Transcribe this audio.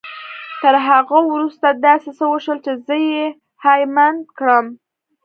تر هغه وروسته داسې څه وشول چې زه يې هيλε مند کړم.